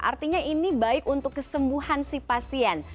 artinya ini baik untuk kesembuhan si pasien